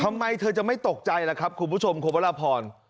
ทำไมเธอจะไม่ตกใจล่ะครับคุณผู้ชมคุณพระราพร